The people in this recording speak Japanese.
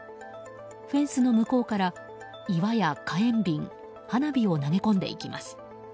フェンスの向こうから岩や火炎瓶花火を投げ込んでいきます。